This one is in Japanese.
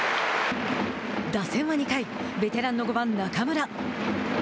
打線は２回ベテランの５番中村。